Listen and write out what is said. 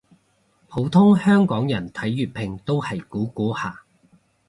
普通香港人睇粵拼都係估估下